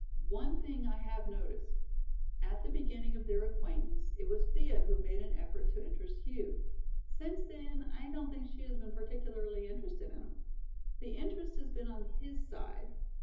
One thing I have noticed. At the beginning of their acquaintance it was Thea who made an effort to interest Hugh, since then I don't think she has been particularly interested in him. The interest has been on his side.